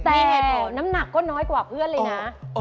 แต่น้ำหนักก็น้อยกว่าเพื่อนเลยนะ